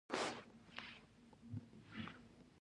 د ښکار موسم پیل د ډیرو موټرو په راتګ کیږي